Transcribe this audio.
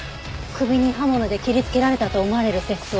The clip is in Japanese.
首に刃物で切りつけられたと思われる切創。